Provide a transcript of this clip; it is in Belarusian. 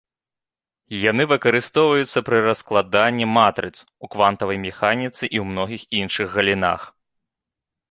Яны выкарыстоўваюцца пры раскладанні матрыц, у квантавай механіцы і ў многіх іншых галінах.